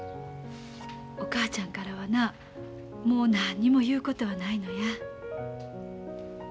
お母ちゃんからはなもう何にも言うことはないのや。